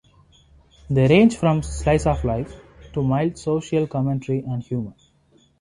They range from slices of life to mild social commentary and humour.